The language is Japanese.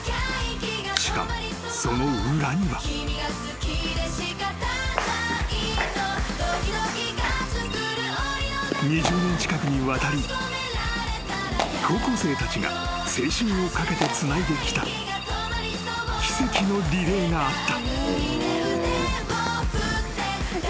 ［しかもその裏には］［２０年近くにわたり高校生たちが青春を懸けてつないできた奇跡のリレーがあった］